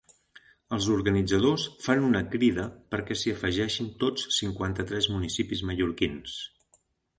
Els organitzadors fan una crida perquè s’hi afegeixin tots cinquanta-tres municipis mallorquins.